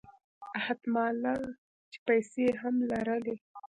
احت مالًا چې پیسې هم لرلې.